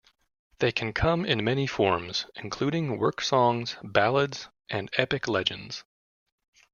They can come in many forms, including work songs, ballads and epic legends.